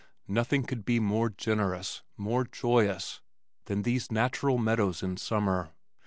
Nothing could be more generous, more joyous, than these natural meadows in summer.